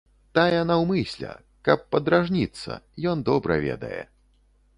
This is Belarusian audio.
Тая наўмысля, каб падражніцца, ён добра ведае.